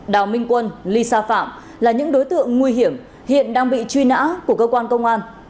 đào minh quân lisa phạm là những đối tượng nguy hiểm hiện đang bị truy nã của cơ quan công an